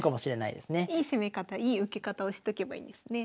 いい攻め方いい受け方をしとけばいいんですね。